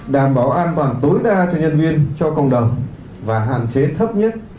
đảm bảo an toàn tối đa cho nhân viên cho cộng đồng và hạn chế thấp nhất